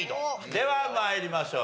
では参りましょう。